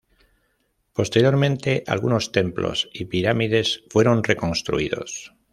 Posteriormente algunos templos y pirámides fueron reconstruidos.